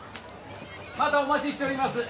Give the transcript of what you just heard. またお待ちしちょります。